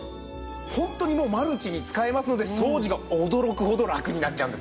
ホントにもうマルチに使えますので掃除が驚くほどラクになっちゃうんですね。